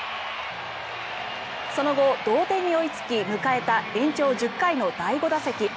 その後、同点に追いつき迎えた延長１０回の第５打席。